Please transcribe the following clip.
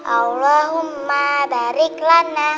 allahumma barik lana